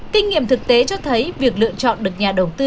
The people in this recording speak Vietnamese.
kinh nghiệm thực tế cho thấy việc lựa chọn được nhà đầu tư